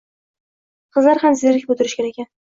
Qizlar ham zerikib o`tirishgan ekan